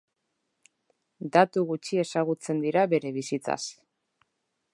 Datu gutxi ezagutzen dira bere bizitzaz.